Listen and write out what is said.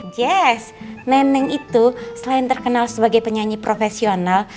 jazz neneng itu selain terkenal sebagai penyanyi profesional